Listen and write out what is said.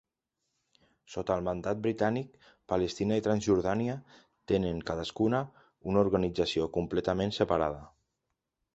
Sota el mandat britànic, Palestina i Transjordània tenen cadascuna una organització completament separada.